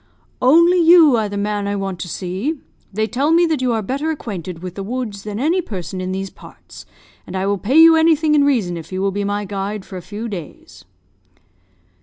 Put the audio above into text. "'Only you are the man I want to see. They tell me that you are better acquainted with the woods than any person in these parts; and I will pay you anything in reason if you will be my guide for a few days.'